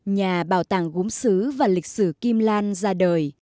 nhà bảo tàng gốm xứ và lịch sử kim lan ra đời